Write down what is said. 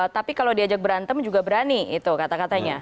tapi kalau diajak berantem juga berani itu kata katanya